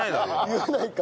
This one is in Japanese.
言わないか。